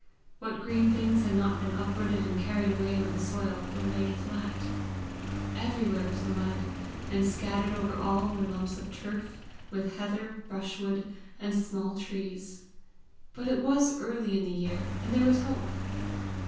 What green things had not been uprooted or carried away with the soil, were laid flat. Everywhere was mud, and scattered all over were lumps of turf, with heather, brushwood, and small trees. But it was early in the year, and there was hope!